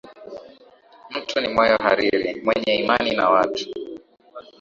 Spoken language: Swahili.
Mtu ni moyo hariri, mwenye imani na watu